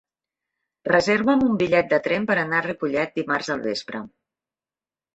Reserva'm un bitllet de tren per anar a Ripollet dimarts al vespre.